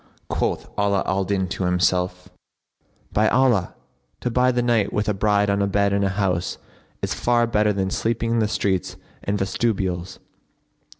Quoth Ala al Din to himself, "By Allah, to bide the night with a bride on a bed in a house is far better than sleeping in the streets and vestibules!"